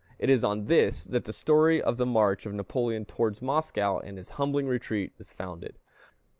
It is on this that the story of the march of Napoleon towards Moscow, and his humbling retreat, is founded.